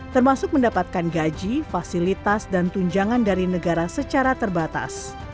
termasuk mendapatkan gaji fasilitas dan tunjangan dari negara secara terbatas